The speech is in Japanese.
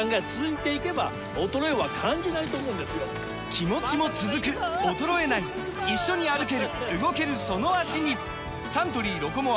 気持ちも続く衰えない一緒に歩ける動けるその脚にサントリー「ロコモア」！